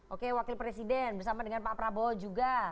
oke wakil presiden bersama dengan pak prabowo juga